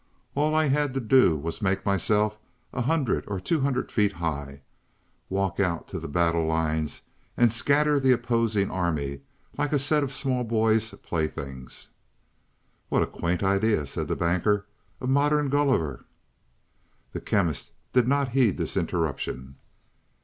All I had to do was to make myself a hundred or two hundred feet high, walk out to the battle lines, and scatter the opposing army like a set of small boys' playthings." "What a quaint idea!" said the Banker. "A modern 'Gulliver.'" The Chemist did not heed this interruption.